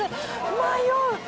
迷う。